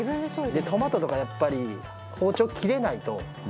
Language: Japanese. トマトとかやっぱり包丁が切れないと。